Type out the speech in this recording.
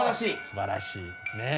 すばらしいねえ。